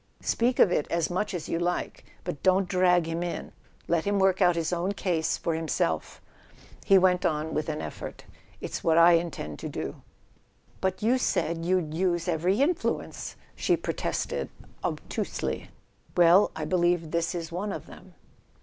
"Speak of it as much as you like, but don't drag him in. Let him work out his own case for himself." A SON AT THE FRONT He went on with an effort: "It's what I intend to do" "But you said you'd use every influence!" she pro¬ tested, obtusely. "Well—I believe this is one of them."